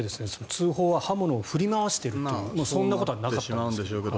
通報は刃物を振り回しているというそんなことはなかったみたいですが。